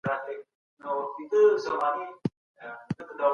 په بازارونو کي باید د پیمانې او وزن درغلي په کلکه بنده سي.